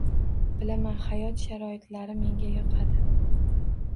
Bilaman, hayot sharoitlari menga yoqadi